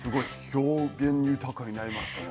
表現豊かになりましたね。